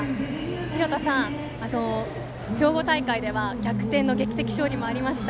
広田さん、兵庫大会では逆転の劇的勝利もありました。